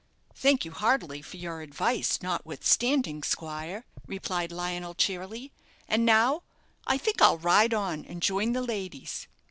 "Thank you heartily for your advice, notwithstanding, squire," replied Lionel, cheerily; "and now I think I'll ride on and join the ladies."